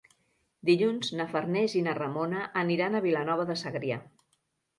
Dilluns na Farners i na Ramona aniran a Vilanova de Segrià.